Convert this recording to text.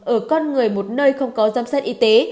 ở con người một nơi không có giám sát y tế